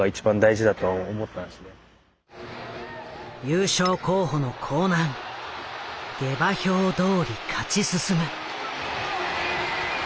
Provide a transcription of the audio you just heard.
優勝候補の興南下馬評どおり勝ち進む。